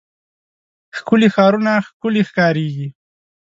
ښکلي ښارونه ښکلي ښکاريږي.